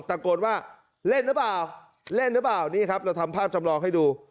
ตะโกนว่าเล่นหรือเปล่าเล่นหรือเปล่านี่ครับเราทำภาพจำลองให้ดู